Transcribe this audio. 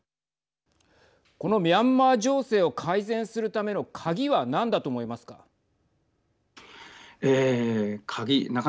このミャンマー情勢を改善するための鍵は何だと思いますか。